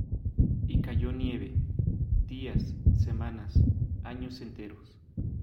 Y cayó nieve; días, semanas, años enteros.